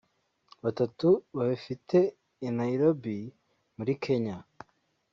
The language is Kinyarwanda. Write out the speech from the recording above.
batatu babifite i Nairobi muri Kenya